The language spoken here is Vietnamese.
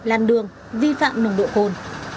làn đường vi phạm nồng độ cồn